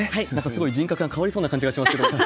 すごい人格が変わりそうな気がしますけれども。